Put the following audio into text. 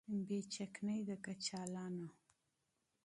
بې چکنۍ د کچالانو